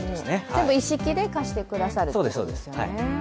全部一式で貸してくださるということですよね。